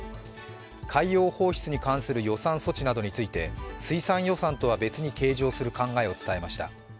海洋放出に関する予算措置などについて、水産予算とは別に計上する考えを伝えました。